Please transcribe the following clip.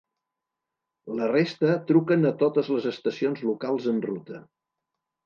La resta truquen a totes les estacions locals en ruta.